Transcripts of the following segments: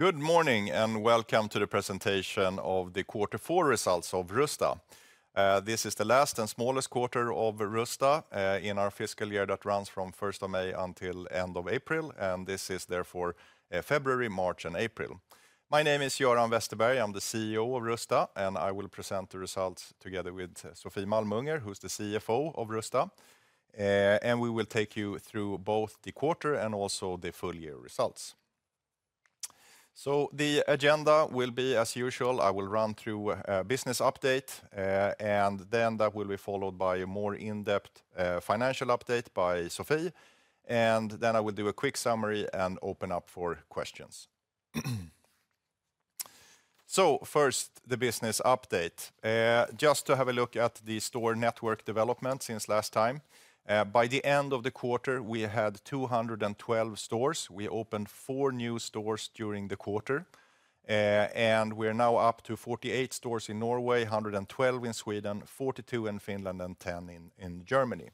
Good morning, and welcome to the presentation of the Quarter Four results of Rusta. This is the last and smallest quarter of Rusta in our fiscal year that runs from first of May until end of April, and this is therefore February, March, and April. My name is Göran Westerberg. I'm the CEO of Rusta, and I will present the results together with Sofie Malmunger, who's the CFO of Rusta. And we will take you through both the quarter and also the full year results. So the agenda will be, as usual, I will run through a business update, and then that will be followed by a more in-depth financial update by Sofie, and then I will do a quick summary and open up for questions. So first, the business update. Just to have a look at the store network development since last time. By the end of the quarter, we had 212 stores. We opened four new stores during the quarter, and we're now up to 48 stores in Norway, 112 in Sweden, 42 in Finland, and 10 in Germany.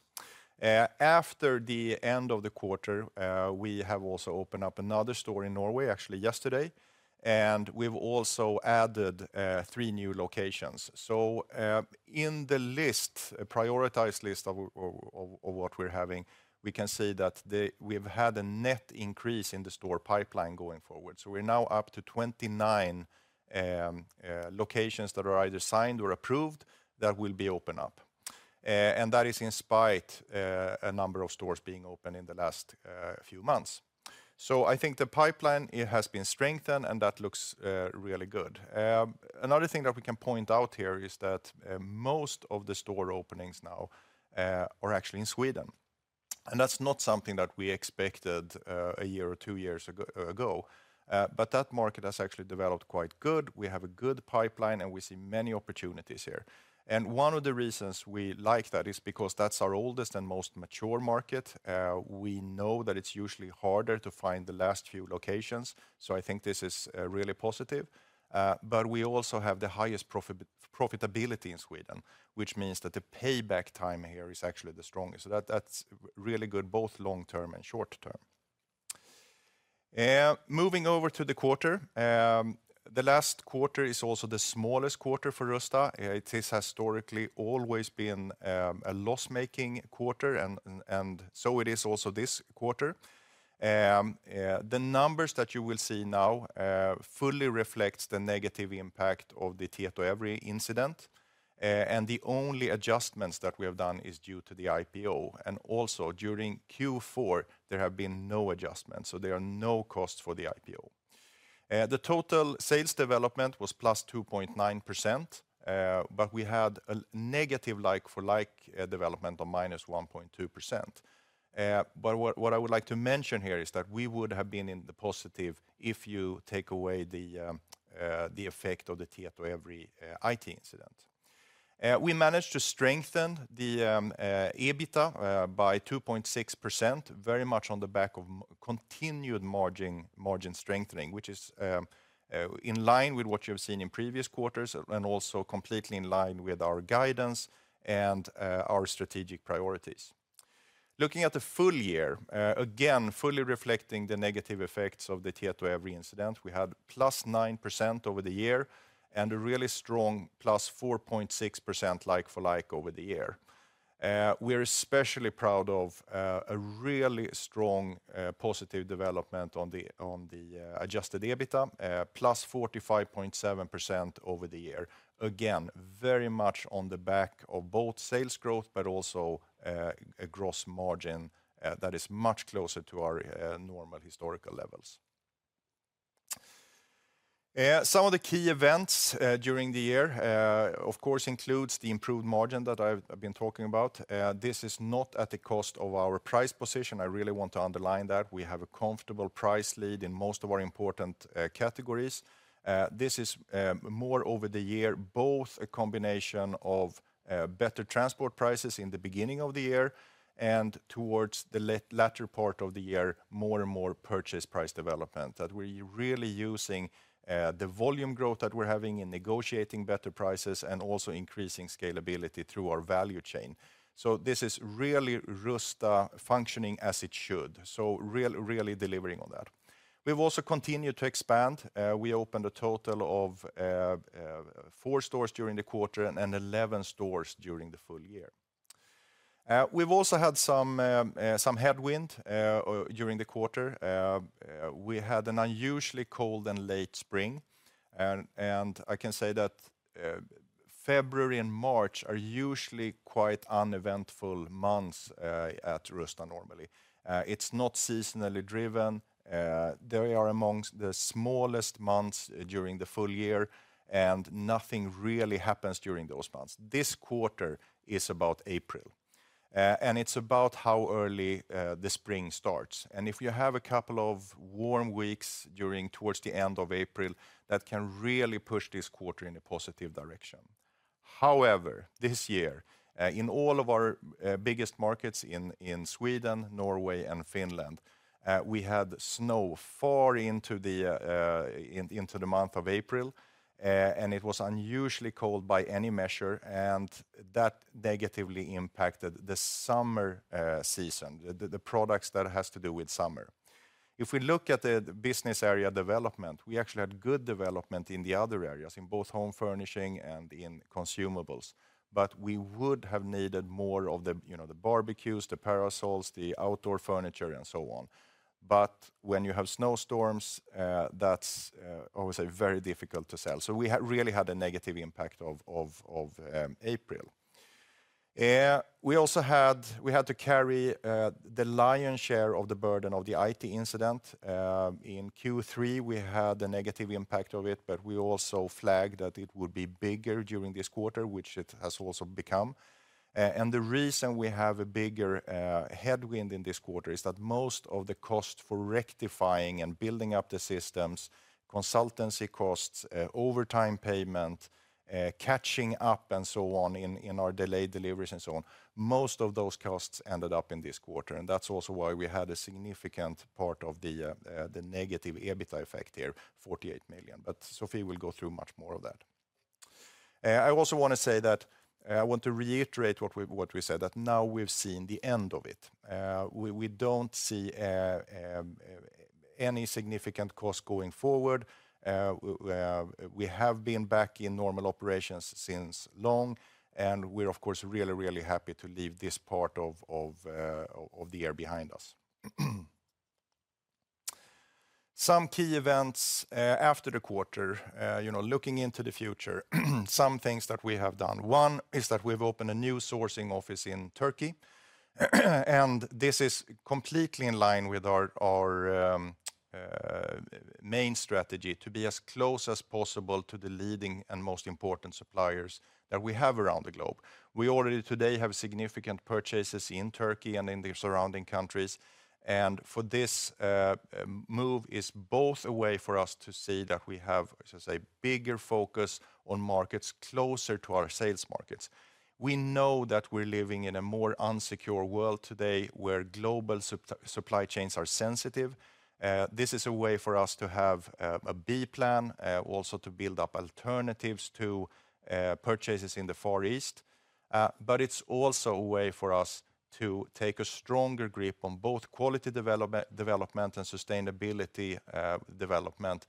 After the end of the quarter, we have also opened up another store in Norway, actually yesterday, and we've also added three new locations. So, in the list, a prioritized list of what we're having, we can see that we've had a net increase in the store pipeline going forward. So we're now up to 29 locations that are either signed or approved that will be open up. And that is in spite a number of stores being open in the last few months. So I think the pipeline, it has been strengthened, and that looks really good. Another thing that we can point out here is that most of the store openings now are actually in Sweden, and that's not something that we expected a year or two years ago. But that market has actually developed quite good. We have a good pipeline, and we see many opportunities here. And one of the reasons we like that is because that's our oldest and most mature market. We know that it's usually harder to find the last few locations, so I think this is really positive. But we also have the highest profitability in Sweden, which means that the payback time here is actually the strongest. So that's really good, both long term and short term. Moving over to the quarter. The last quarter is also the smallest quarter for Rusta. It has historically always been a loss-making quarter and so it is also this quarter. The numbers that you will see now fully reflects the negative impact of the Tietoevry incident, and the only adjustments that we have done is due to the IPO. And also, during Q4, there have been no adjustments, so there are no costs for the IPO. The total sales development was +2.9%, but we had a negative like-for-like development of -1.2%. But what, what I would like to mention here is that we would have been in the positive if you take away the, the effect of the Tietoevry IT incident. We managed to strengthen the EBITDA by 2.6%, very much on the back of continued margin strengthening, which is in line with what you've seen in previous quarters and also completely in line with our guidance and our strategic priorities. Looking at the full year, again, fully reflecting the negative effects of the Tietoevry incident, we had +9% over the year and a really strong +4.6% like-for-like over the year. We're especially proud of a really strong positive development on the Adjusted EBITDA, plus 45.7% over the year. Again, very much on the back of both sales growth, but also a gross margin that is much closer to our normal historical levels. Some of the key events during the year, of course, includes the improved margin that I've been talking about. This is not at the cost of our price position. I really want to underline that. We have a comfortable price lead in most of our important categories. This is more over the year, both a combination of better transport prices in the beginning of the year and towards the latter part of the year, more and more purchase price development. That we're really using the volume growth that we're having in negotiating better prices and also increasing scalability through our value chain. So this is really Rusta functioning as it should, so really delivering on that. We've also continued to expand. We opened a total of four stores during the quarter and 11 stores during the full year. We've also had some headwind during the quarter. We had an unusually cold and late spring, and I can say that February and March are usually quite uneventful months at Rusta normally. It's not seasonally driven. They are among the smallest months during the full year, and nothing really happens during those months. This quarter is about April, and it's about how early the spring starts. If you have a couple of warm weeks during towards the end of April, that can really push this quarter in a positive direction. However, this year, in all of our biggest markets in Sweden, Norway, and Finland, we had snow far into the month of April, and it was unusually cold by any measure, and that negatively impacted the summer season, the products that has to do with summer. If we look at the business area development, we actually had good development in the other areas, in both home furnishing and in consumables. But we would have needed more of the, you know, the barbecues, the parasols, the outdoor furniture, and so on. But when you have snowstorms, that's obviously very difficult to sell. So we had really had a negative impact of April. We also had to carry the lion's share of the burden of the IT incident. In Q3, we had a negative impact of it, but we also flagged that it would be bigger during this quarter, which it has also become. And the reason we have a bigger headwind in this quarter is that most of the cost for rectifying and building up the systems, consultancy costs, overtime payment, catching up, and so on, in our delayed deliveries and so on, most of those costs ended up in this quarter, and that's also why we had a significant part of the negative EBITDA effect here, 48 million. But Sofie will go through much more of that. I also want to say that I want to reiterate what we said, that now we've seen the end of it. We don't see any significant cost going forward. We have been back in normal operations since long, and we're, of course, really, really happy to leave this part of the year behind us. Some key events after the quarter, you know, looking into the future, some things that we have done. One is that we've opened a new sourcing office in Turkey, and this is completely in line with our main strategy, to be as close as possible to the leading and most important suppliers that we have around the globe. We already today have significant purchases in Turkey and in the surrounding countries, and for this move is both a way for us to see that we have, I should say, bigger focus on markets closer to our sales markets. We know that we're living in a more insecure world today, where global supply chains are sensitive. This is a way for us to have a B plan, also to build up alternatives to purchases in the Far East. But it's also a way for us to take a stronger grip on both quality development and sustainability development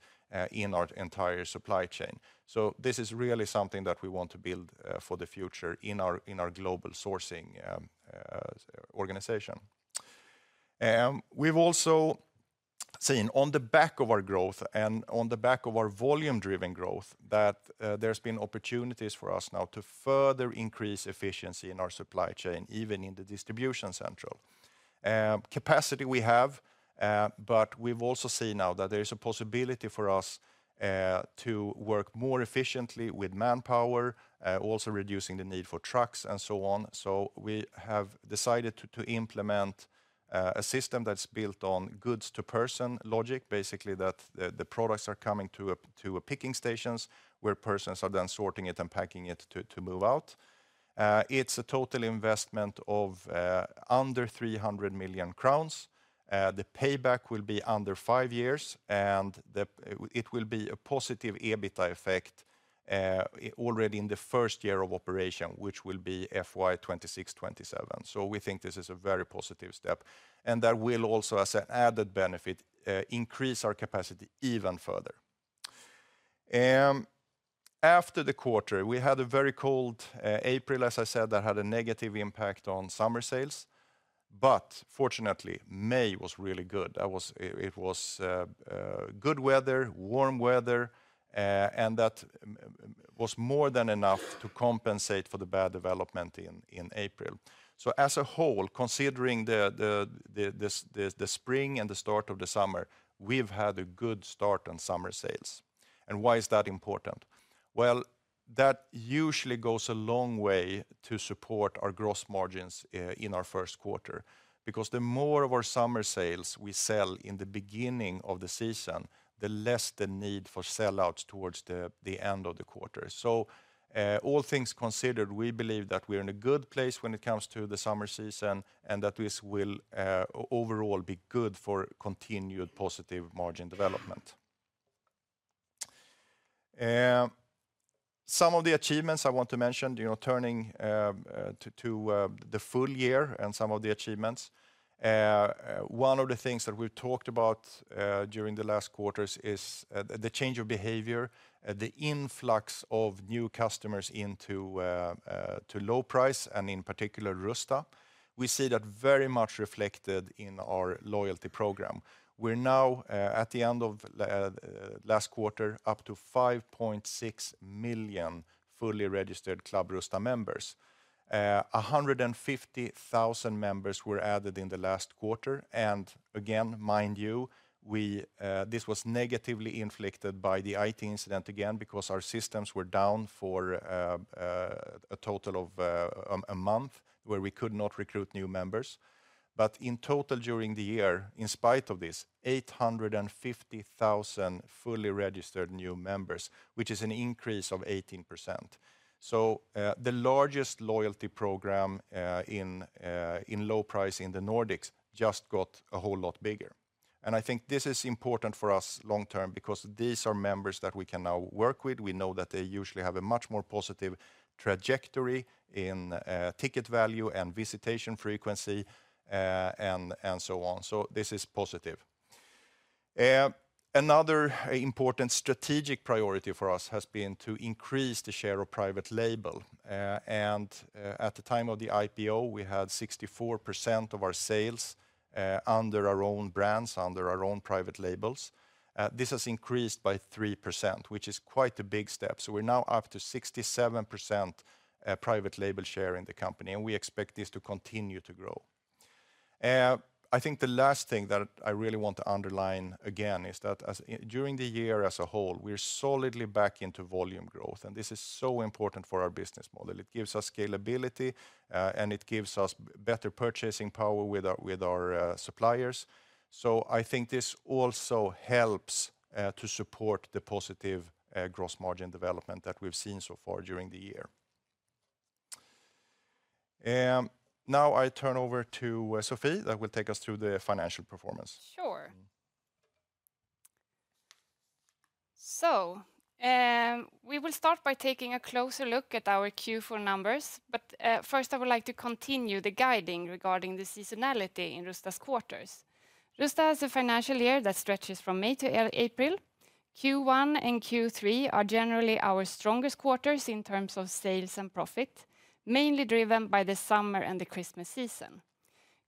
in our entire supply chain. So this is really something that we want to build for the future in our global sourcing organization. We've also seen on the back of our growth and on the back of our volume-driven growth, that there's been opportunities for us now to further increase efficiency in our supply chain, even in the distribution center. Capacity we have, but we've also seen now that there is a possibility for us to work more efficiently with manpower, also reducing the need for trucks and so on. So we have decided to implement a system that's built on goods-to-person logic. Basically, that the products are coming to a picking stations, where persons are then sorting it and packing it to move out. It's a total investment of under 300 million crowns. The payback will be under 5 years, and the... It will be a positive EBITDA effect already in the first year of operation, which will be FY 2026, 2027. So we think this is a very positive step, and that will also, as an added benefit, increase our capacity even further. After the quarter, we had a very cold April, as I said, that had a negative impact on summer sales, but fortunately, May was really good. It was good weather, warm weather, and that was more than enough to compensate for the bad development in April. So as a whole, considering the spring and the start of the summer, we've had a good start on summer sales. And why is that important? Well, that usually goes a long way to support our gross margins in our first quarter, because the more of our summer sales we sell in the beginning of the season, the less the need for sellouts towards the end of the quarter. So, all things considered, we believe that we're in a good place when it comes to the summer season, and that this will overall be good for continued positive margin development. Some of the achievements I want to mention, you know, turning to the full year and some of the achievements. One of the things that we've talked about during the last quarters is the change of behavior, the influx of new customers into low price, and in particular, Rusta. We see that very much reflected in our loyalty program. We're now at the end of last quarter, up to 5.6 million fully registered Club Rusta members. 150,000 members were added in the last quarter, and again, mind you, we this was negatively inflicted by the IT incident again, because our systems were down for a total of a month, where we could not recruit new members. But in total, during the year, in spite of this, 850,000 fully registered new members, which is an increase of 18%. So the largest loyalty program in low price in the Nordics just got a whole lot bigger. And I think this is important for us long term, because these are members that we can now work with. We know that they usually have a much more positive trajectory in ticket value and visitation frequency, and so on. So this is positive. Another important strategic priority for us has been to increase the share of Private Label. At the time of the IPO, we had 64% of our sales under our own brands, under our own Private Labels. This has increased by 3%, which is quite a big step. So we're now up to 67%, Private Label share in the company, and we expect this to continue to grow. I think the last thing that I really want to underline again is that during the year as a whole, we're solidly back into volume growth, and this is so important for our business model. It gives us scalability, and it gives us better purchasing power with our suppliers. So I think this also helps to support the positive gross margin development that we've seen so far during the year. Now I turn over to Sofie, that will take us through the financial performance. Sure. So, we will start by taking a closer look at our Q4 numbers, but, first, I would like to continue the guiding regarding the seasonality in Rusta's quarters. Rusta has a financial year that stretches from May to April. Q1 and Q3 are generally our strongest quarters in terms of sales and profit, mainly driven by the summer and the Christmas season.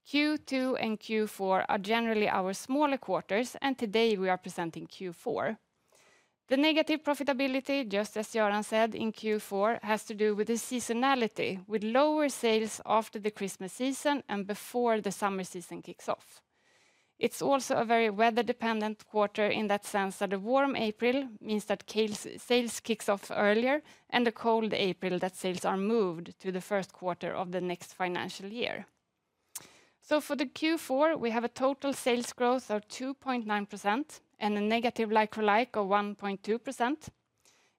Q2 and Q4 are generally our smaller quarters, and today we are presenting Q4. The negative profitability, just as Göran said, in Q4, has to do with the seasonality, with lower sales after the Christmas season and before the summer season kicks off. It's also a very weather-dependent quarter in that sense that a warm April means that sales kicks off earlier, and a cold April, that sales are moved to the first quarter of the next financial year. So for the Q4, we have a total sales growth of 2.9% and a negative like-for-like of 1.2%.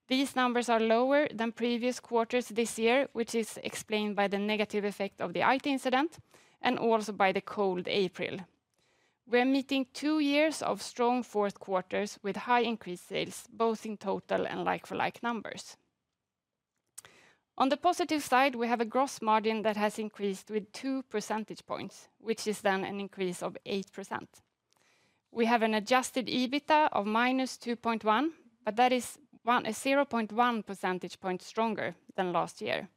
These numbers are lower than previous quarters this year, which is explained by the negative effect of the IT incident and also by the cold April. We're meeting two years of strong fourth quarters with high increased sales, both in total and like-for-like numbers. On the positive side, we have a gross margin that has increased with 2 percentage points, which is then an increase of 8%. We have an adjusted EBITDA of -2.1%, but that is 0.1 percentage point stronger than last year.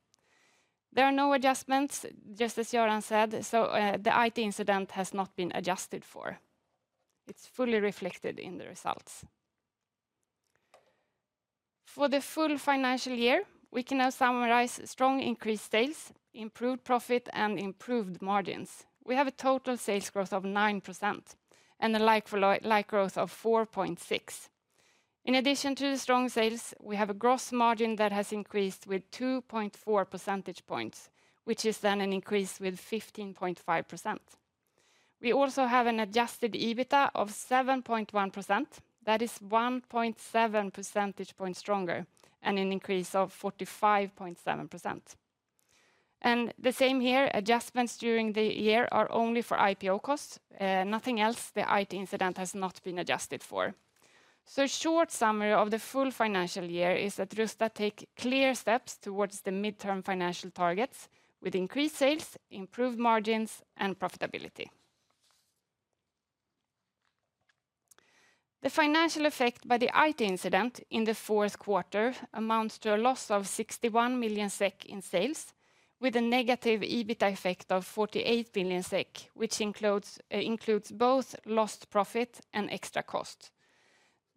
There are no adjustments, just as Göran said, so the IT incident has not been adjusted for. It's fully reflected in the results. For the full financial year, we can now summarize strong increased sales, improved profit, and improved margins. We have a total sales growth of 9% and a like-for-like growth of 4.6%. In addition to the strong sales, we have a gross margin that has increased with 2.4 percentage points, which is then an increase with 15.5%. We also have an Adjusted EBITDA of 7.1%, that is 1.7 percentage point stronger and an increase of 45.7%. And the same here, adjustments during the year are only for IPO costs, nothing else. The IT incident has not been adjusted for. So short summary of the full financial year is that Rusta take clear steps towards the midterm financial targets with increased sales, improved margins, and profitability. The financial effect by the IT incident in the fourth quarter amounts to a loss of 61 million SEK in sales, with a negative EBITDA effect of 48 million SEK, which includes both lost profit and extra cost.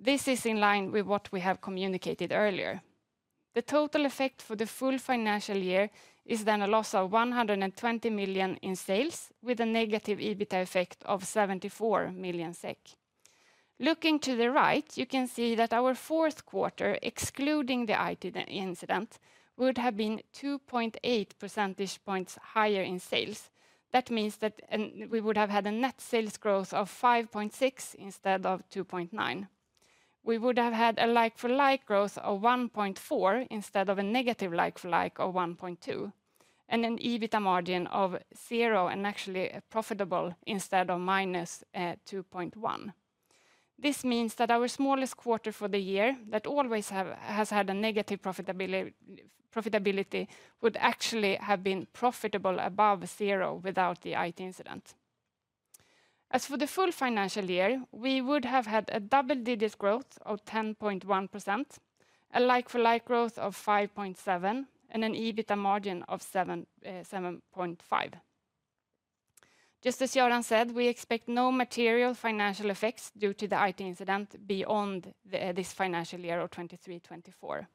This is in line with what we have communicated earlier. The total effect for the full financial year is then a loss of 120 million in sales, with a negative EBITDA effect of 74 million SEK. Looking to the right, you can see that our fourth quarter, excluding the IT incident, would have been 2.8 percentage points higher in sales. That means that we would have had a net sales growth of 5.6 instead of 2.9. We would have had a like-for-like growth of 1.4 instead of a negative like-for-like of 1.2, and an EBITDA margin of 0 and actually profitable instead of minus 2.1. This means that our smallest quarter for the year, that always has had a negative profitability, would actually have been profitable above zero without the IT incident. As for the full financial year, we would have had a double-digit growth of 10.1%, a like-for-like growth of 5.7, and an EBITDA margin of 7.5. Just as Göran said, we expect no material financial effects due to the IT incident beyond this financial year of 2023-2024.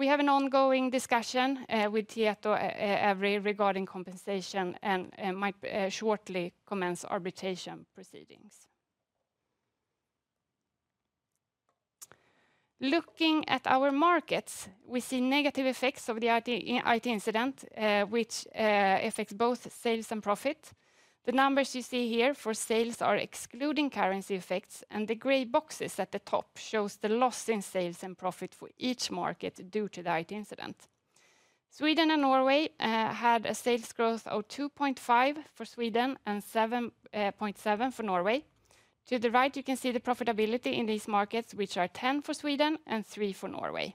We have an ongoing discussion with Tietoevry regarding compensation and might shortly commence arbitration proceedings. Looking at our markets, we see negative effects of the IT incident, which affects both sales and profit. The numbers you see here for sales are excluding currency effects, and the gray boxes at the top shows the loss in sales and profit for each market due to the IT incident. Sweden and Norway had a sales growth of 2.5 for Sweden and 7.7 for Norway. To the right, you can see the profitability in these markets, which are 10 for Sweden and 3 for Norway....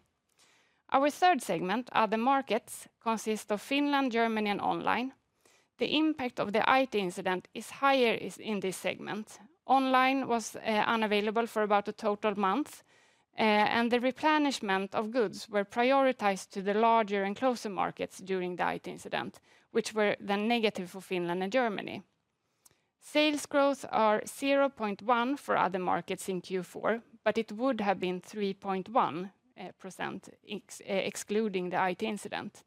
Our third segment are the markets consist of Finland, Germany, and online. The impact of the IT incident is higher in this segment. Online was unavailable for about a total month, and the replenishment of goods were prioritized to the larger and closer markets during the IT incident, which were then negative for Finland and Germany. Sales growth are 0.1 for other markets in Q4, but it would have been 3.1% excluding the IT incident.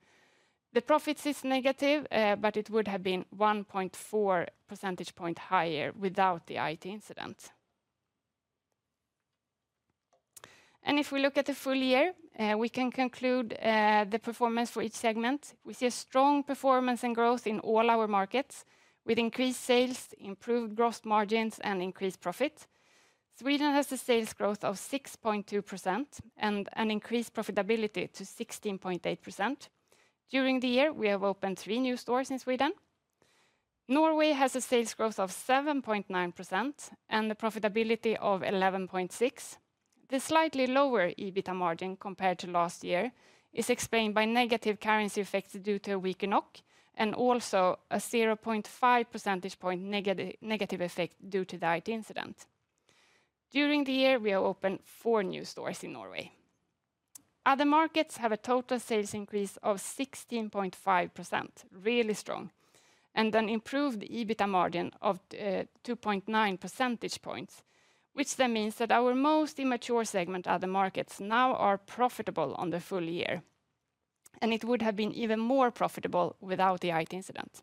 The profits is negative, but it would have been 1.4 percentage point higher without the IT incident. If we look at the full year, we can conclude the performance for each segment. We see a strong performance and growth in all our markets, with increased sales, improved gross margins, and increased profit. Sweden has a sales growth of 6.2% and an increased profitability to 16.8%. During the year, we have opened three new stores in Sweden. Norway has a sales growth of 7.9% and the profitability of 11.6%. The slightly lower EBITA margin compared to last year is explained by negative currency effects due to a weaker NOK, and also a 0.5 percentage point negative effect due to the IT incident. During the year, we have opened four new stores in Norway. Other markets have a total sales increase of 16.5%, really strong, and an improved EBITA margin of 2.9 percentage points, which then means that our most immature segment are the markets now are profitable on the full year, and it would have been even more profitable without the IT incident.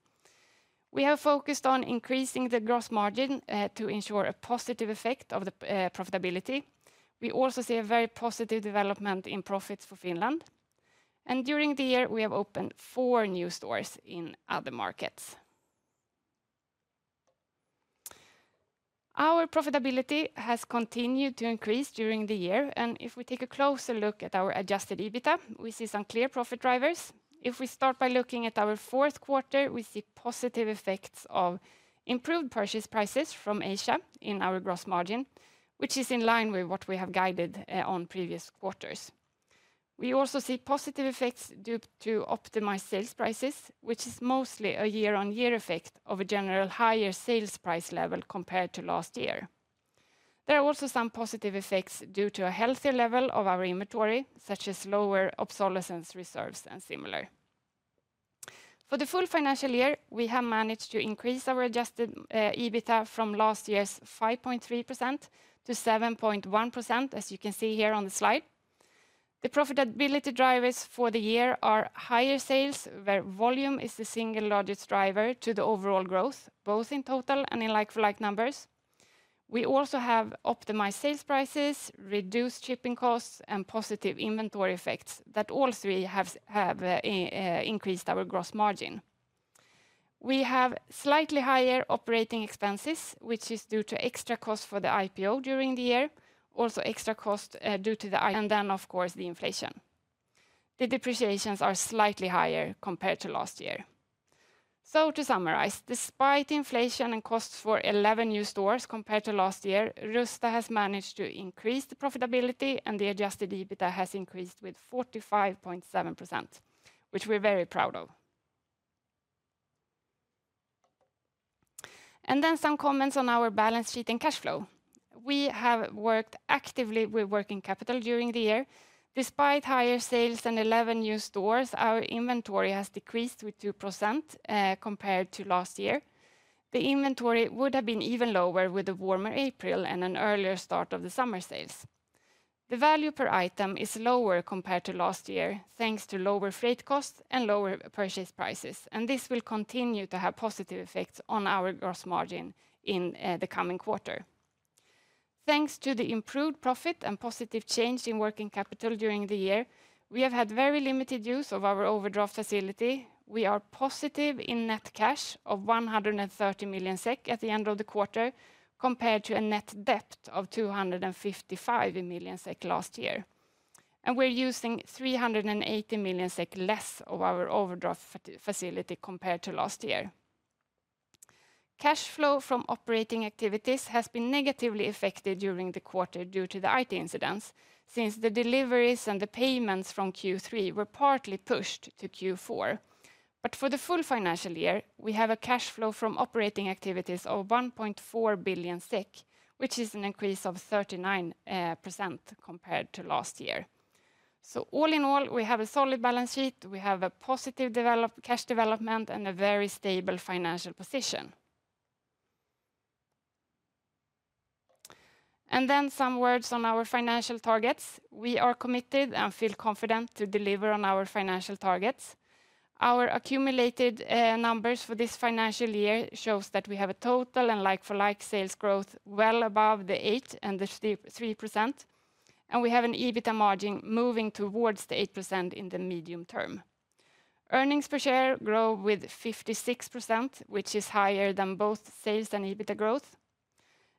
We have focused on increasing the gross margin to ensure a positive effect of the profitability. We also see a very positive development in profits for Finland, and during the year, we have opened four new stores in other markets. Our profitability has continued to increase during the year, and if we take a closer look at our adjusted EBITA, we see some clear profit drivers. If we start by looking at our fourth quarter, we see positive effects of improved purchase prices from Asia in our gross margin, which is in line with what we have guided on previous quarters. We also see positive effects due to optimized sales prices, which is mostly a year-on-year effect of a general higher sales price level compared to last year. There are also some positive effects due to a healthier level of our inventory, such as lower obsolescence reserves and similar. For the full financial year, we have managed to increase our adjusted EBITA from last year's 5.3%-7.1%, as you can see here on the slide. The profitability drivers for the year are higher sales, where volume is the single largest driver to the overall growth, both in total and in like-for-like numbers. We also have optimized sales prices, reduced shipping costs, and positive inventory effects that also we have increased our gross margin. We have slightly higher operating expenses, which is due to extra costs for the IPO during the year, also extra cost due to the IT, and then, of course, the inflation. The depreciations are slightly higher compared to last year. So to summarize, despite inflation and costs for 11 new stores compared to last year, Rusta has managed to increase the profitability, and the adjusted EBITA has increased with 45.7%, which we're very proud of. And then some comments on our balance sheet and cash flow. We have worked actively with working capital during the year. Despite higher sales and 11 new stores, our inventory has decreased with 2%, compared to last year. The inventory would have been even lower with a warmer April and an earlier start of the summer sales. The value per item is lower compared to last year, thanks to lower freight costs and lower purchase prices, and this will continue to have positive effects on our gross margin in the coming quarter. Thanks to the improved profit and positive change in working capital during the year, we have had very limited use of our overdraft facility. We are positive in net cash of 130 million SEK at the end of the quarter, compared to a net debt of 255 million SEK last year. We're using 380 million SEK less of our overdraft facility compared to last year. Cash flow from operating activities has been negatively affected during the quarter due to the IT incidents, since the deliveries and the payments from Q3 were partly pushed to Q4. But for the full financial year, we have a cash flow from operating activities of 1.4 billion, which is an increase of 39% compared to last year. So all in all, we have a solid balance sheet, we have a positive cash development, and a very stable financial position. Then some words on our financial targets. We are committed and feel confident to deliver on our financial targets. Our accumulated numbers for this financial year shows that we have a total and like-for-like sales growth well above the 8% and the 3%, and we have an EBITA margin moving towards the 8% in the medium term. Earnings per share grow with 56%, which is higher than both sales and EBITA growth.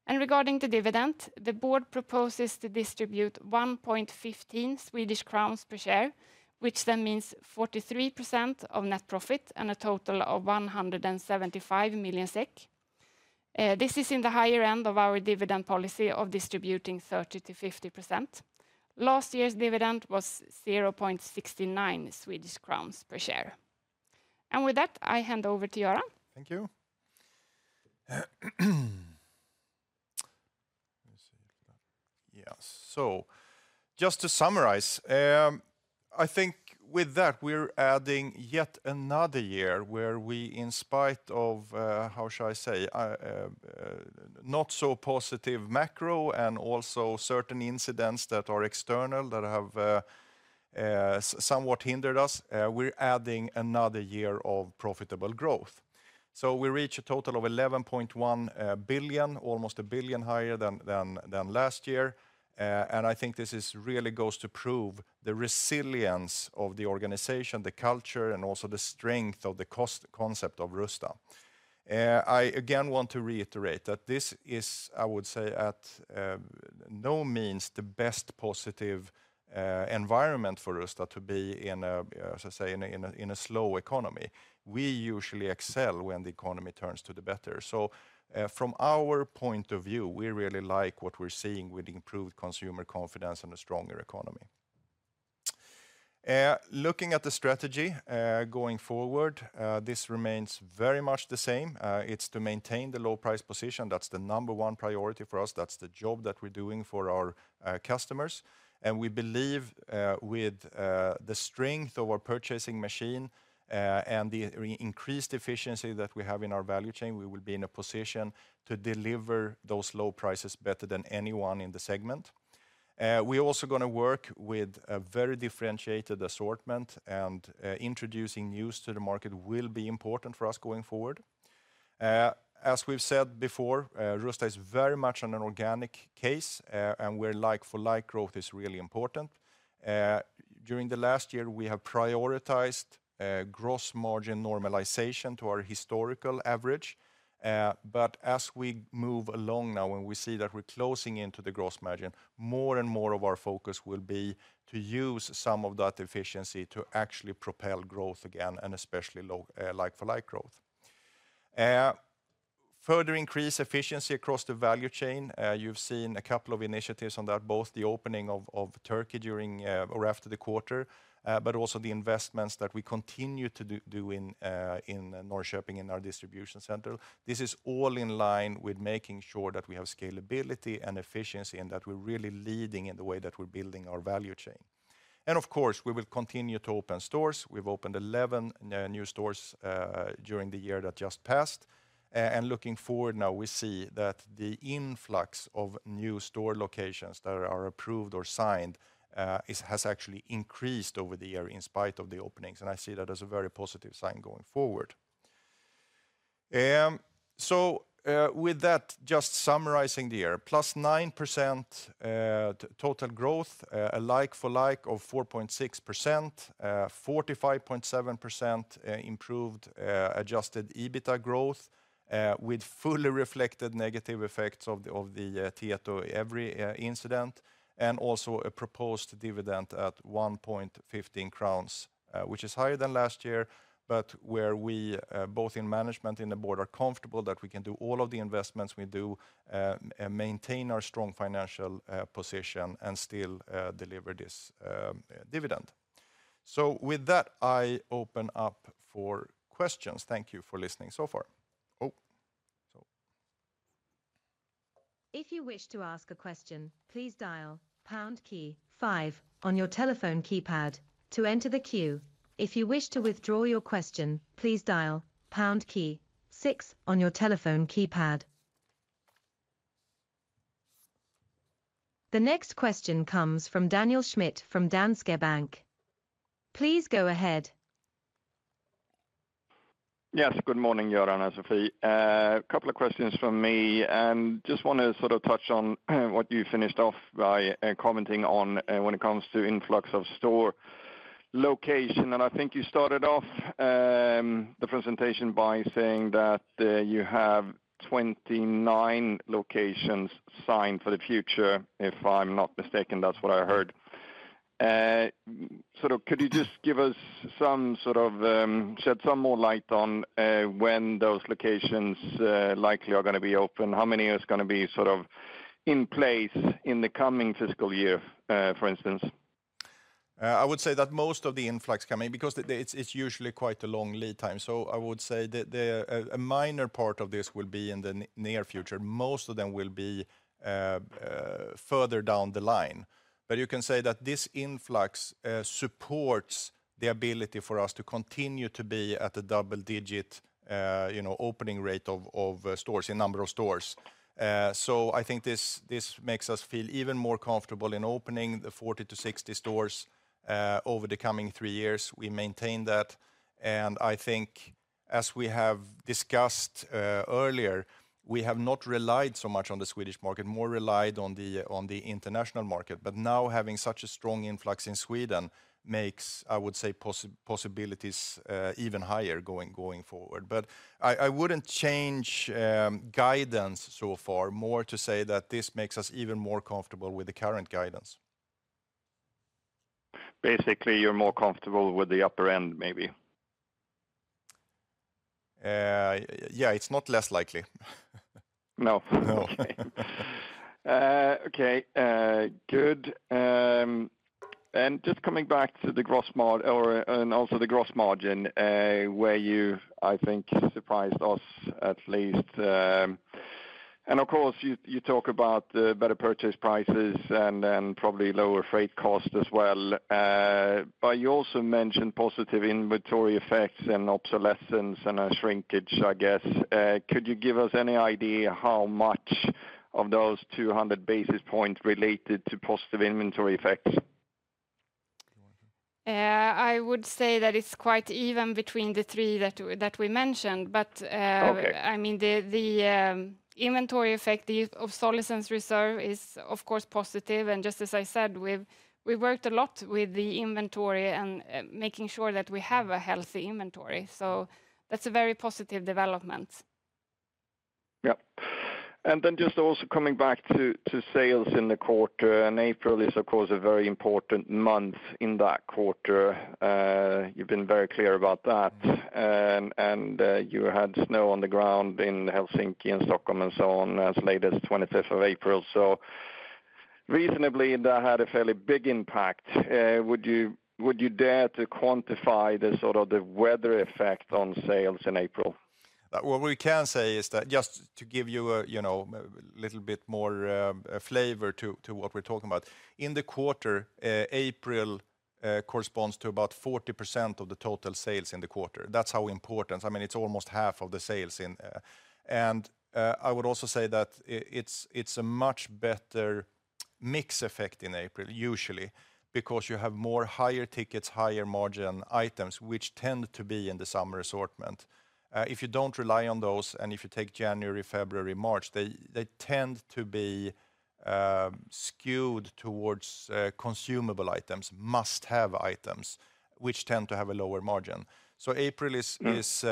And regarding the dividend, the board proposes to distribute 1.15 Swedish crowns per share, which then means 43% of net profit and a total of 175 million SEK. This is in the higher end of our dividend policy of distributing 30%-50%. Last year's dividend was 0.69 Swedish crowns per share. And with that, I hand over to Göran. Thank you. Let me see. Yeah, so just to summarize, I think with that, we're adding yet another year where we, in spite of how shall I say, not so positive macro and also certain incidents that are external that have somewhat hindered us, we're adding another year of profitable growth. So we reach a total of 11.1 billion, almost 1 billion higher than last year. And I think this is really goes to prove the resilience of the organization, the culture, and also the strength of the cost concept of Rusta. I again want to reiterate that this is, I would say, by no means the most positive environment for Rusta to be in, as I say, in a slow economy. We usually excel when the economy turns to the better. So, from our point of view, we really like what we're seeing with improved consumer confidence and a stronger economy. Looking at the strategy, going forward, this remains very much the same. It's to maintain the low price position. That's the number one priority for us. That's the job that we're doing for our customers, and we believe with the strength of our purchasing machine and the increased efficiency that we have in our value chain, we will be in a position to deliver those low prices better than anyone in the segment. We're also gonna work with a very differentiated assortment, and introducing news to the market will be important for us going forward. As we've said before, Rusta is very much on an organic case, and where like-for-like growth is really important. During the last year, we have prioritized gross margin normalization to our historical average. But as we move along now, and we see that we're closing into the gross margin, more and more of our focus will be to use some of that efficiency to actually propel growth again, and especially low like-for-like growth. Further increase efficiency across the value chain. You've seen a couple of initiatives on that, both the opening of Turkey during or after the quarter, but also the investments that we continue to do in Norrköping, in our distribution center. This is all in line with making sure that we have scalability and efficiency, and that we're really leading in the way that we're building our value chain. And of course, we will continue to open stores. We've opened 11 new stores during the year that just passed. And looking forward now, we see that the influx of new store locations that are approved or signed has actually increased over the year, in spite of the openings, and I see that as a very positive sign going forward. So, with that, just summarizing the year, +9% total growth, a like-for-like of 4.6%, 45.7% improved adjusted EBITDA growth, with fully reflected negative effects of the Tietoevry incident. Also a proposed dividend at 1.15 crowns, which is higher than last year, but where we both in management and the board are comfortable that we can do all of the investments we do, and maintain our strong financial position, and still deliver this dividend. So with that, I open up for questions. Thank you for listening so far. Oh, so... If you wish to ask a question, please dial pound key five on your telephone keypad to enter the queue. If you wish to withdraw your question, please dial pound key six on your telephone keypad. The next question comes from Daniel Schmidt, from Danske Bank. Please go ahead. Yes, good morning, Göran and Sofie. A couple of questions from me. Just want to sort of touch on what you finished off by commenting on, when it comes to influx of store location. I think you started off the presentation by saying that you have 29 locations signed for the future, if I'm not mistaken. That's what I heard. Sort of, could you just give us some sort of shed some more light on when those locations likely are gonna be open? How many is gonna be sort of in place in the coming fiscal year, for instance? I would say that most of the influx coming, because it, it's usually quite a long lead time. So I would say that the a minor part of this will be in the near future. Most of them will be further down the line. But you can say that this influx supports the ability for us to continue to be at a double digit, you know, opening rate of stores, in number of stores. So I think this makes us feel even more comfortable in opening the 40-60 stores over the coming three years. We maintain that, and I think, as we have discussed earlier, we have not relied so much on the Swedish market, more relied on the international market. But now, having such a strong influx in Sweden makes, I would say, possibilities even higher going forward. But I wouldn't change guidance so far. More to say that this makes us even more comfortable with the current guidance. Basically, you're more comfortable with the upper end, maybe? Yeah, it's not less likely. No. No. Okay, good. And just coming back to the gross margin, where you, I think, surprised us at least. And of course, you talk about the better purchase prices and then probably lower freight costs as well. But you also mentioned positive inventory effects and obsolescence and shrinkage, I guess. Could you give us any idea how much of those 200 basis points related to positive inventory effects? I would say that it's quite even between the three that we mentioned. But, Okay... I mean, the inventory effect, the obsolescence reserve is, of course, positive. And just as I said, we've worked a lot with the inventory and making sure that we have a healthy inventory, so that's a very positive development. Yep. And then just also coming back to sales in the quarter, and April is, of course, a very important month in that quarter. You've been very clear about that. And you had snow on the ground in Helsinki and Stockholm and so on, as late as 25th of April. So reasonably, that had a fairly big impact. Would you dare to quantify the sort of the weather effect on sales in April? What we can say is that just to give you a, you know, a little bit more flavor to what we're talking about. In the quarter, April corresponds to about 40% of the total sales in the quarter. That's how important, I mean, it's almost half of the sales in... I would also say that it's a much better mix effect in April, usually, because you have more higher tickets, higher margin items, which tend to be in the summer assortment. If you don't rely on those, and if you take January, February, March, they tend to be skewed towards consumable items, must-have items, which tend to have a lower margin. So April is- Mm-hmm... is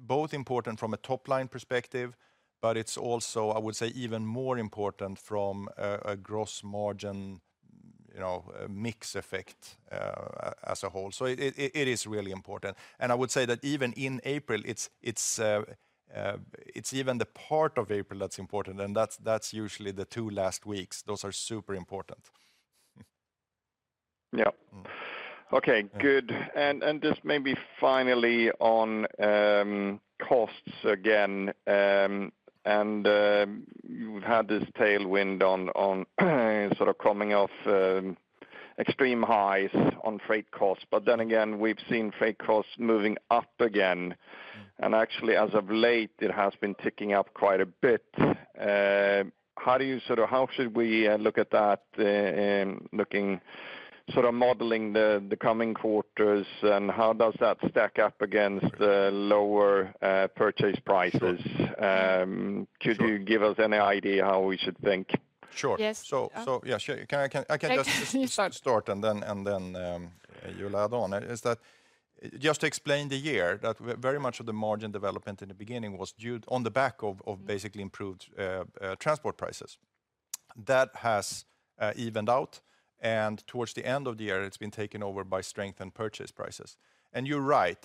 both important from a top-line perspective, but it's also, I would say, even more important from a gross margin, you know, a mix effect, as a whole. So it is really important. And I would say that even in April, it's even the part of April that's important, and that's usually the two last weeks. Those are super important. Yep. Mm-hmm. Okay, good. And just maybe finally on costs again. And you've had this tailwind on sort of coming off extreme highs on freight costs, but then again, we've seen freight costs moving up again. Mm. Actually, as of late, it has been ticking up quite a bit. How should we look at that, looking sort of modeling the coming quarters, and how does that stack up against the lower purchase prices? Sure. Um- Sure. Could you give us any idea how we should think? Sure. Yes. So, yes, sure. Can I? I can just- You start... start, and then, you'll add on. Just to explain the year, very much of the margin development in the beginning was due on the back of basically improved transport prices. That has evened out, and towards the end of the year, it's been taken over by strength in purchase prices. And you're right,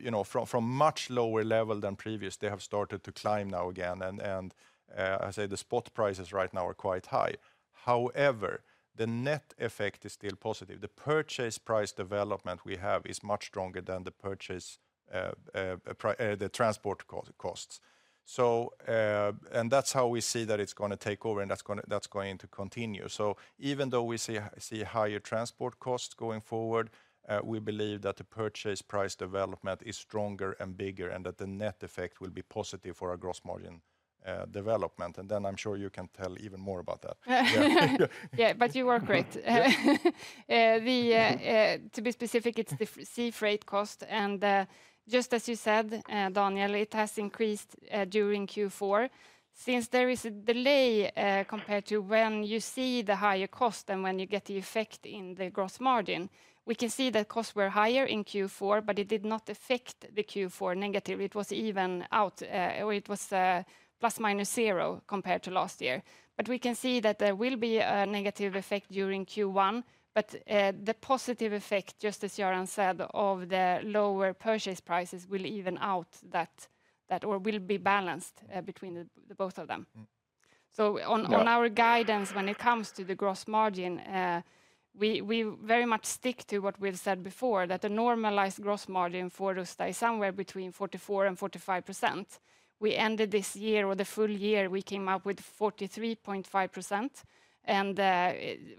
you know, from much lower level than previous, they have started to climb now again, and I say the spot prices right now are quite high. However, the net effect is still positive. The purchase price development we have is much stronger than the transport costs. So, and that's how we see that it's gonna take over, and that's going to continue. So even though we see higher transport costs going forward, we believe that the purchase price development is stronger and bigger, and that the net effect will be positive for our gross margin development. And then I'm sure you can tell even more about that. Yeah, but you were great. Yeah. To be specific, it's the sea freight cost, and just as you said, Daniel, it has increased during Q4. Since there is a delay, compared to when you see the higher cost than when you get the effect in the gross margin, we can see that costs were higher in Q4, but it did not affect the Q4 negative. It was even out, or it was plus minus zero compared to last year. But we can see that there will be a negative effect during Q1, but the positive effect, just as Göran said, of the lower purchase prices, will even out that, that or will be balanced between the both of them. Mm-hmm. So on- Yeah... our guidance, when it comes to the Gross Margin, we very much stick to what we've said before, that the normalized Gross Margin for Rusta is somewhere between 44% and 45%. We ended this year, or the full year, we came up with 43.5%, and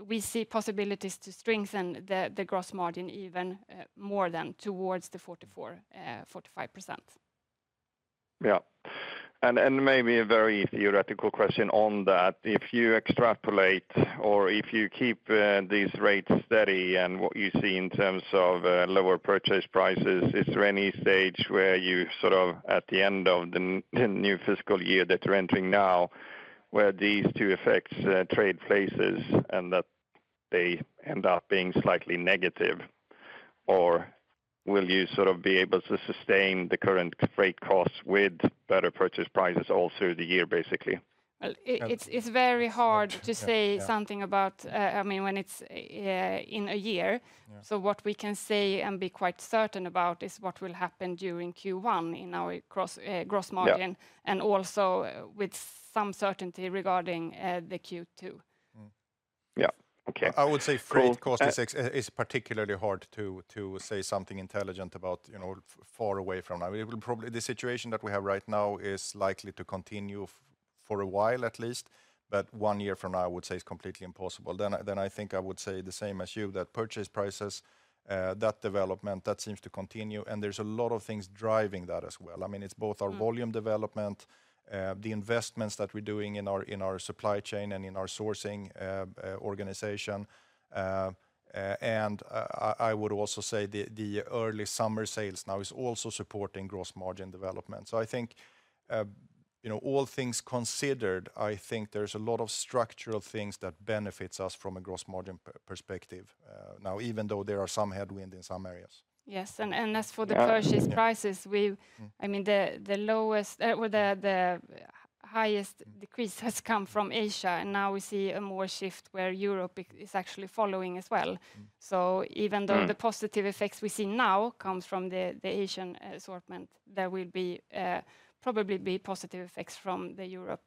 we see possibilities to strengthen the Gross Margin even more than towards the 44%-45%. Yeah. And, and maybe a very theoretical question on that, if you extrapolate or if you keep these rates steady and what you see in terms of lower purchase prices, is there any stage where you sort of at the end of the new fiscal year that you're entering now, where these two effects trade places, and that they end up being slightly negative? Or will you sort of be able to sustain the current freight costs with better purchase prices all through the year, basically? Well, it's very hard to say something about, I mean, when it's in a year. Yeah. What we can say and be quite certain about is what will happen during Q1 in our cross, Gross Margin- Yeah... and also with some certainty regarding the Q2. Mm-hmm. Yeah. Okay, cool. I would say freight cost is particularly hard to say something intelligent about, you know, far away from now. It will probably, the situation that we have right now is likely to continue for a while at least, but one year from now, I would say it's completely impossible. Then I think I would say the same as you, that purchase prices, that development, that seems to continue, and there's a lot of things driving that as well. I mean, it's both our volume development, the investments that we're doing in our supply chain and in our sourcing organization. And I would also say the early summer sales now is also supporting gross margin development. I think, you know, all things considered, I think there's a lot of structural things that benefits us from a Gross Margin perspective, now, even though there are some headwind in some areas. Yes, and as for the purchase prices- Yeah... we, I mean, the lowest or the highest decrease has come from Asia, and now we see a more shift where Europe is actually following as well. Mm-hmm. So even though the- Mm... positive effects we see now comes from the Asian assortment. There will probably be positive effects from the European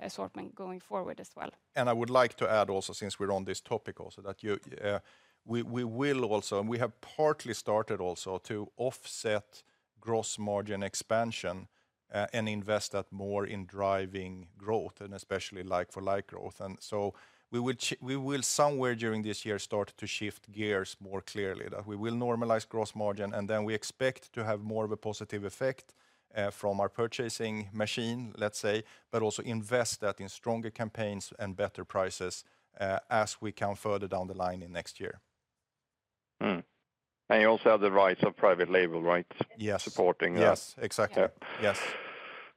assortment going forward as well. I would like to add also, since we're on this topic also, that you, we will also, and we have partly started also to offset gross margin expansion, and invest that more in driving growth, and especially like-for-like growth. So we will somewhere during this year start to shift gears more clearly, that we will normalize gross margin, and then we expect to have more of a positive effect, from our purchasing machine, let's say, but also invest that in stronger campaigns and better prices, as we come further down the line in next year. Hmm. And you also have the rise of Private Label, right? Yes. Supporting that. Yes, exactly. Yeah. Yes.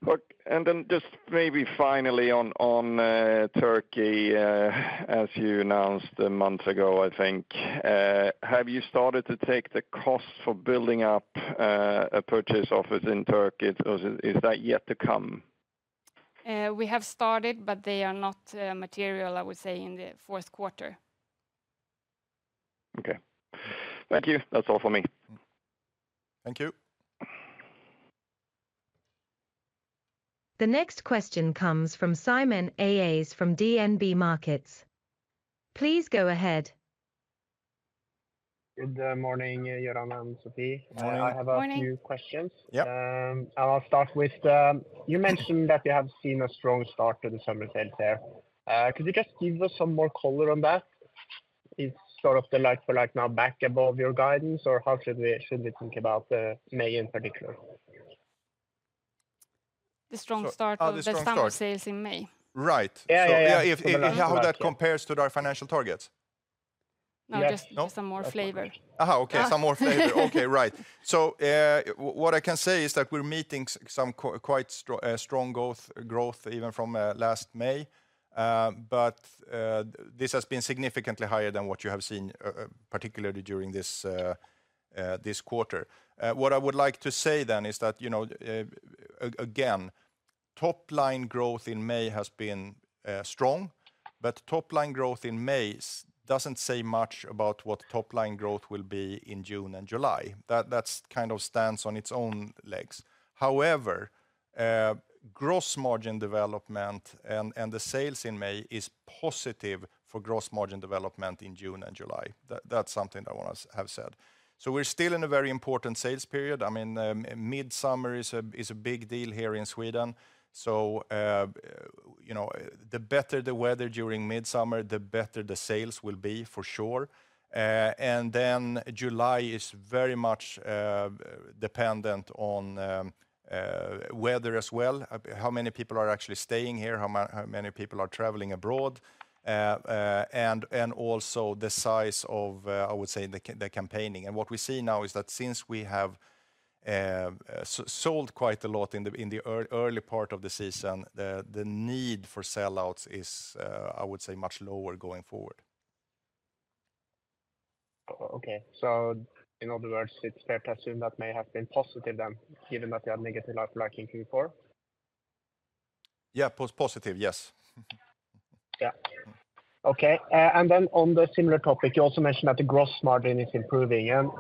Look, and then just maybe finally on Turkey, as you announced a month ago, I think, have you started to take the costs for building up a purchase office in Turkey, or is that yet to come? We have started, but they are not material, I would say, in the fourth quarter. Okay. Thank you. That's all for me. Thank you. The next question comes from Simen Aas from DNB Markets. Please go ahead. Good morning, Göran and Sofie. Morning. Morning. I have a few questions. Yep. And I'll start with, you mentioned that you have seen a strong start to the summer sale there. Could you just give us some more color on that? It's sort of the like-for-like now back above your guidance, or how should we think about May in particular? The strong start of- The strong start.... the summer sales in May. Right. Yeah, yeah. So, how that compares to our financial targets? No, just- Yeah No?... some more flavor. Okay, some more flavor. Okay, right. So, what I can say is that we're meeting some quite strong growth, growth even from last May. But this has been significantly higher than what you have seen, particularly during this quarter. What I would like to say then is that, you know, again, top line growth in May has been strong, but top line growth in May doesn't say much about what top line growth will be in June and July. That kind of stands on its own legs. However, Gross Margin development and the sales in May is positive for Gross Margin development in June and July. That's something I want to have said. So we're still in a very important sales period. I mean, midsummer is a big deal here in Sweden, so, you know, the better the weather during midsummer, the better the sales will be, for sure. And then July is very much dependent on weather as well, how many people are actually staying here, how many people are traveling abroad, and also the size of, I would say, the campaigning. And what we see now is that since we have sold quite a lot in the early part of the season, the need for sell-outs is, I would say, much lower going forward. Okay. So in other words, it's fair to assume that may have been positive then, given that you had negative like-for-like in Q4? Yeah. Positive, yes. Yeah. Okay, and then on the similar topic, you also mentioned that the gross margin is improving. Can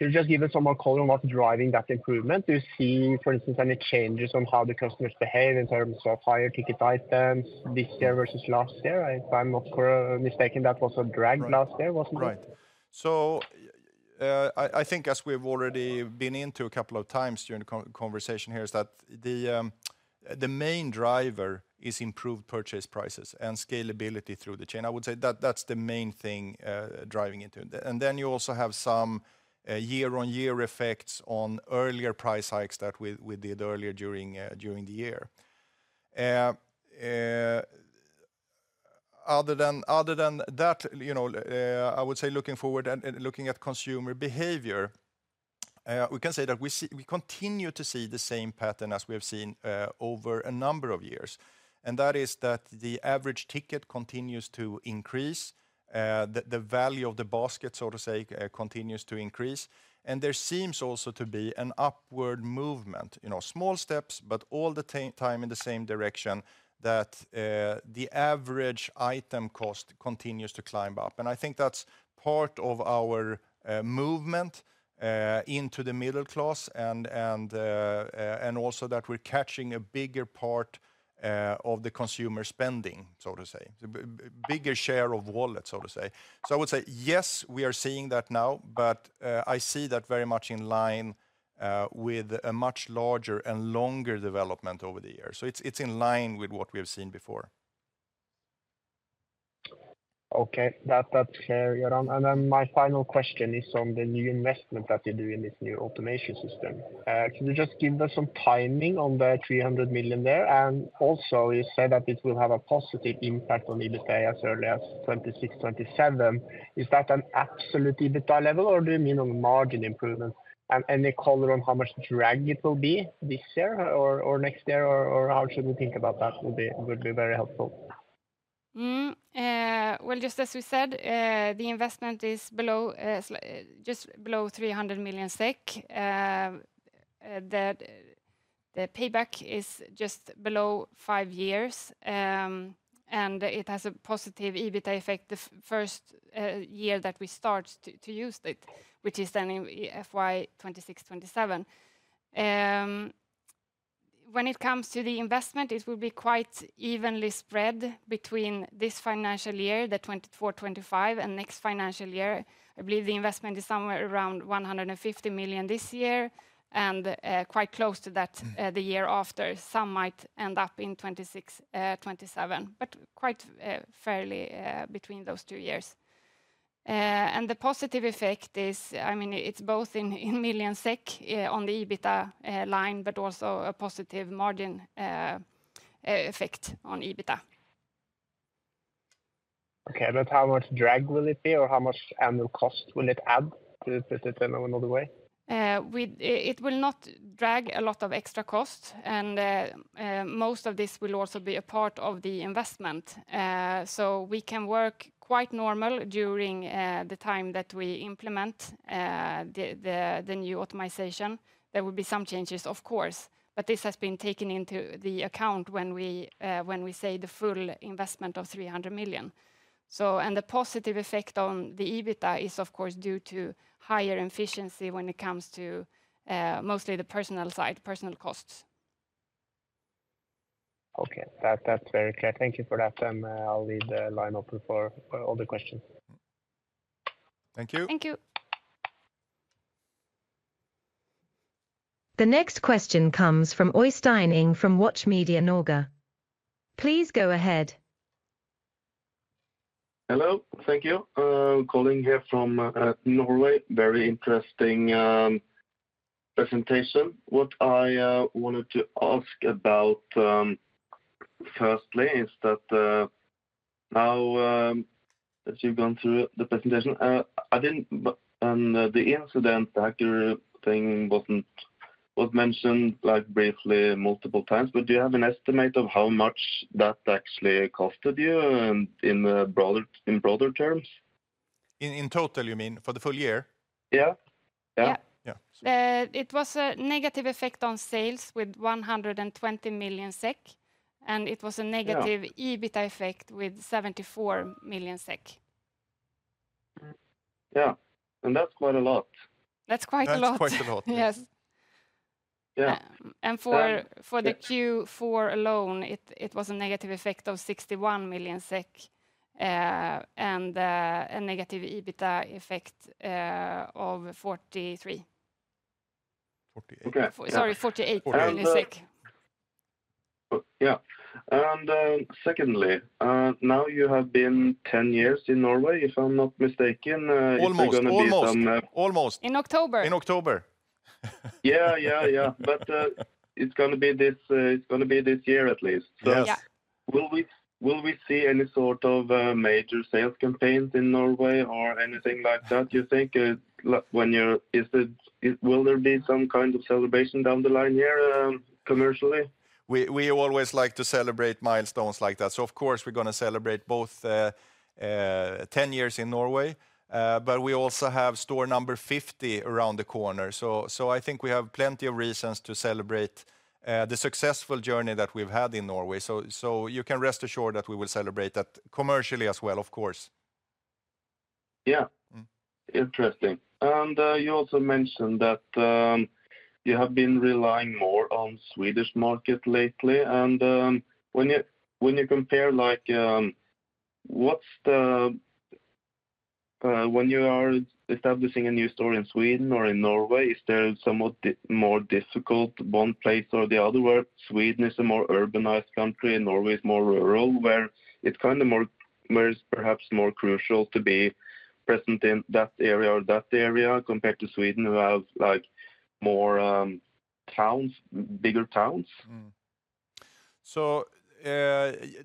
you just give us some more color on what's driving that improvement? Do you see, for instance, any changes on how the customers behave in terms of higher ticket items this year versus last year? If I'm not mistaken, that was a drag last year, wasn't it? Right. So, I think as we've already been into a couple of times during the conversation here, is that the main driver is improved purchase prices and scalability through the chain. I would say that, that's the main thing driving it. And then you also have some year-on-year effects on earlier price hikes that we did earlier during the year. Other than that, you know, I would say looking forward and looking at consumer behavior. We can say that we continue to see the same pattern as we have seen over a number of years, and that is that the average ticket continues to increase. The value of the basket, so to say, continues to increase, and there seems also to be an upward movement. You know, small steps, but all the time in the same direction that the average item cost continues to climb up. And I think that's part of our movement into the middle class, and also that we're catching a bigger part of the consumer spending, so to say. A bigger share of wallet, so to say. So I would say, yes, we are seeing that now, but I see that very much in line with a much larger and longer development over the years. So it's in line with what we have seen before. Okay, that's clear, Göran. Then my final question is on the new investment that you do in this new automation system. Can you just give us some timing on the 300 million there? And also, you said that it will have a positive impact on EBITDA as early as 2026, 2027. Is that an absolute EBITDA level, or do you mean on margin improvement? And any color on how much drag it will be this year or next year, or how should we think about that would be very helpful. Well, just as we said, the investment is just below 300 million SEK. The payback is just below five years. And it has a positive EBITDA effect the first year that we start to use it, which is then in FY 2026, 2027. When it comes to the investment, it will be quite evenly spread between this financial year, 2024, 2025, and next financial year. I believe the investment is somewhere around 150 million this year, and quite close to that the year after. Some might end up in 2026, 2027, but quite fairly between those two years. The positive effect is, I mean, it's both in million SEK on the EBITDA line, but also a positive margin effect on EBITDA. Okay, but how much drag will it be, or how much annual cost will it add to the turnover another way? It will not drag a lot of extra cost, and most of this will also be a part of the investment. So we can work quite normal during the time that we implement the new optimization. There will be some changes, of course, but this has been taken into the account when we say the full investment of 300 million. So, and the positive effect on the EBITDA is, of course, due to higher efficiency when it comes to mostly the personal side, personal costs. Okay, that's very clear. Thank you for that, and I'll leave the line open for other questions. Thank you. Thank you. The next question comes from Øystein Engh from Watch Media Norge. Please go ahead. Hello, thank you. Calling here from Norway. Very interesting presentation. What I wanted to ask about, firstly, is that, now that you've gone through the presentation, I didn't... But, the incident, the hacker thing wasn't was mentioned, like, briefly multiple times, but do you have an estimate of how much that actually costed you, in the broader, in broader terms? In total, you mean, for the full year? Yeah. Yeah. Yeah. Yeah. It was a negative effect on sales with 120 million SEK, and it was a negative- Yeah... EBITDA effect with 74 million SEK. Yeah, and that's quite a lot. That's quite a lot. That's quite a lot. Yes. Yeah. And for- Yeah... for the Q4 alone, it was a negative effect of 61 million SEK, and a negative EBITDA effect of 43 million. Forty-eight. Okay. Sorry, 48 million. Yeah, and secondly, now you have been 10 years in Norway, if I'm not mistaken, is there gonna be some- Almost. Almost. Almost. In October. In October. Yeah, yeah, yeah. But, it's gonna be this year, at least. Yes. Yeah. Will we see any sort of major sales campaigns in Norway or anything like that, you think? Will there be some kind of celebration down the line here, commercially? We always like to celebrate milestones like that. So of course, we're gonna celebrate both, 10 years in Norway, but we also have store number 50 around the corner. So I think we have plenty of reasons to celebrate the successful journey that we've had in Norway. So you can rest assured that we will celebrate that commercially as well, of course. Yeah. Mm. Interesting. And, you also mentioned that you have been relying more on Swedish market lately. And, when you, when you compare, like, when you are establishing a new store in Sweden or in Norway, is there somewhat more difficult, one place or the other, where Sweden is a more urbanized country and Norway is more rural, where it's kind of where it's perhaps more crucial to be present in that area or that area, compared to Sweden, who have, like, more, towns, bigger towns? So,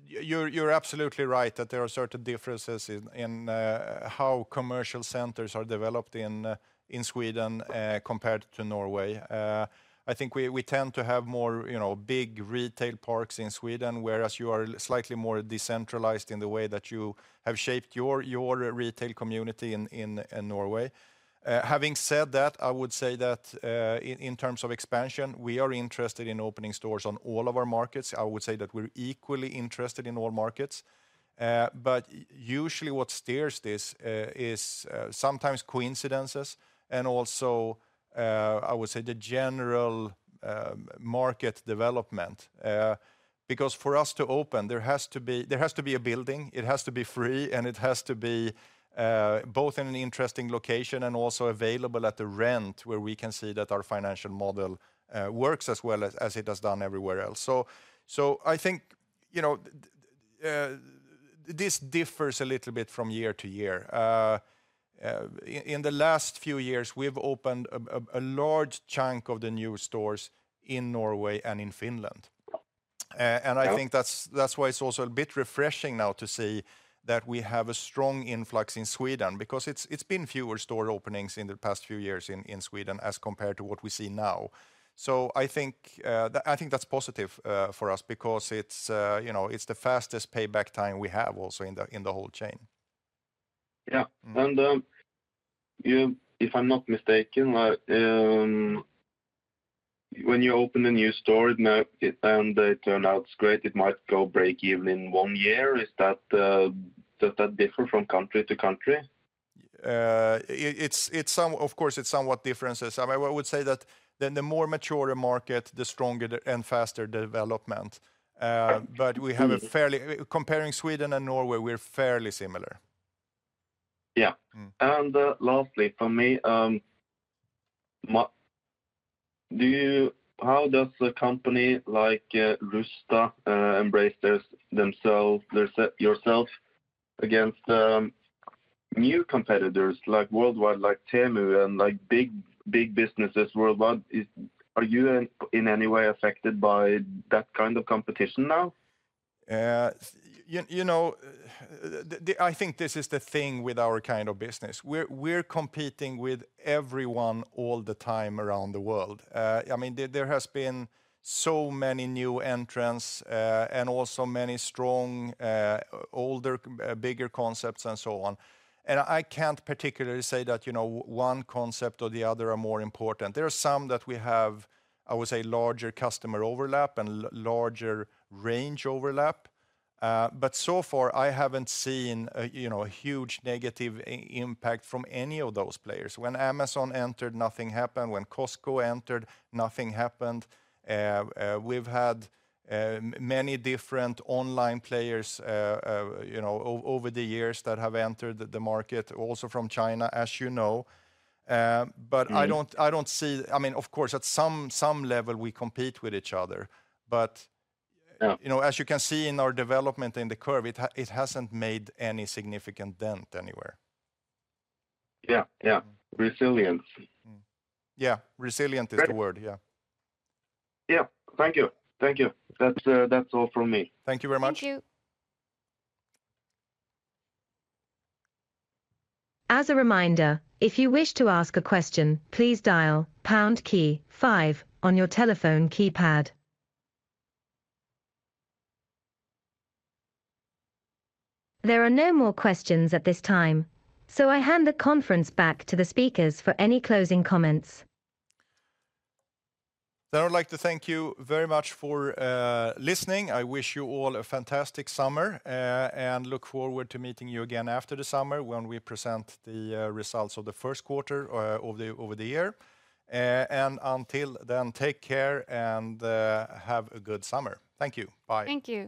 you're absolutely right that there are certain differences in how commercial centers are developed in Sweden compared to Norway. I think we tend to have more, you know, big retail parks in Sweden, whereas you are slightly more decentralized in the way that you have shaped your retail community in Norway. Having said that, I would say that in terms of expansion, we are interested in opening stores on all of our markets. I would say that we're equally interested in all markets. But usually what steers this is sometimes coincidences and also I would say the general market development. Because for us to open, there has to be, there has to be a building, it has to be free, and it has to be both in an interesting location and also available at a rent where we can see that our financial model works as well as, as it has done everywhere else. So, so I think, you know, this differs a little bit from year to year. In the last few years, we've opened a large chunk of the new stores in Norway and in Finland. And I think that's, that's why it's also a bit refreshing now to see that we have a strong influx in Sweden, because it's, it's been fewer store openings in the past few years in, in Sweden as compared to what we see now. So I think, the... I think that's positive for us because it's, you know, it's the fastest payback time we have also in the whole chain. Yeah. Mm. If I'm not mistaken, when you open a new store, and it turn out great, it might go break even in one year. Does that differ from country to country? Of course, it's somewhat differences. I would say that then the more mature a market, the stronger the, and faster development. Right. But we have a fairly... Comparing Sweden and Norway, we're fairly similar. Yeah. Mm. And, lastly, for me, do you... How does a company like Rusta embrace this themselves, yourself against new competitors, like worldwide, like Temu, and like big, big businesses worldwide? Is... Are you in any way affected by that kind of competition now? You know, the, I think this is the thing with our kind of business. We're competing with everyone all the time around the world. I mean, there has been so many new entrants, and also many strong, older, bigger concepts, and so on. And I can't particularly say that, you know, one concept or the other are more important. There are some that we have, I would say, larger customer overlap and larger range overlap. But so far, I haven't seen a, you know, a huge negative impact from any of those players. When Amazon entered, nothing happened. When Costco entered, nothing happened. We've had many different online players, you know, over the years that have entered the market, also from China, as you know. Mm. But I don't see... I mean, of course, at some level we compete with each other, but- Yeah ... You know, as you can see in our development in the curve, it hasn't made any significant dent anywhere. Yeah, yeah. Resilience. Mm. Yeah, resilient is the word. Right. Yeah. Yeah. Thank you. Thank you. That's all from me. Thank you very much. Thank you. As a reminder, if you wish to ask a question, please dial pound key five on your telephone keypad. There are no more questions at this time, so I hand the conference back to the speakers for any closing comments. Then I'd like to thank you very much for listening. I wish you all a fantastic summer, and look forward to meeting you again after the summer when we present the results of the first quarter over the year. And until then, take care and have a good summer. Thank you. Bye. Thank you.